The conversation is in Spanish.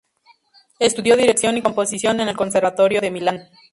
Estudio dirección y composición en el conservatorio de Milán.